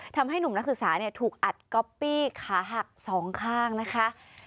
ทำให้หนุ่มนักศึกษาถูกอัดก๊อปปี้ขาหักสองข้างนะคะ